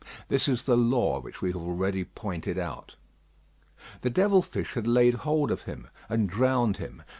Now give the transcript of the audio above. This is the law which we have already pointed out. The devil fish had laid hold of him, and drowned him.